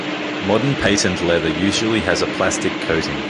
Modern patent leather usually has a plastic coating.